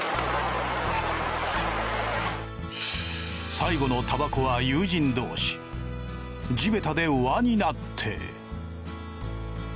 最後のタバコは友人同士地べたで輪になって。